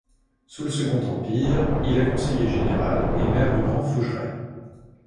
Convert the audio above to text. Sous le Second Empire, il est conseiller général et maire du Grand-Fougeray.